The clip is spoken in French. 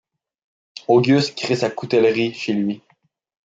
Auguste crée sa coutellerie chez lui.